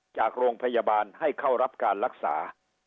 จากโรงพยาบาลให้เข้ารับการรักษา